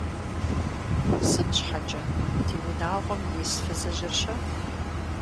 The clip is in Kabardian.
Сыт щхьэкӀэ, ди унагъуэм ис фызыжьыр-щэ?